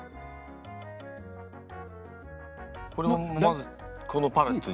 これもまずこのパレットに。